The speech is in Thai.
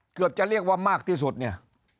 เกือบจะเรียกว่ามากที่สุดเนี่ย